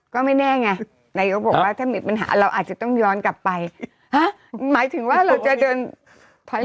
ก็ไม่แน่ไงนายกบอกว่าถ้ามีปัญหาเราอาจจะต้องย้อนกลับไปฮะหมายถึงว่าเราจะเดินถอย